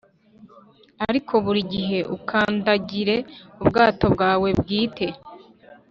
ariko burigihe ukandagire ubwato bwawe bwite